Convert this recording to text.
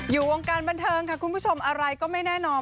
อยู่วงการบันเทิงค่ะคุณผู้ชมอะไรก็ไม่แน่นอน